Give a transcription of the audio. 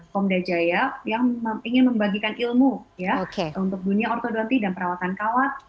pomda jaya yang ingin membagikan ilmu untuk dunia ortodonti dan perawatan kawat